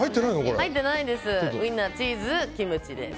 ウィンナー、チーズ、キムチです。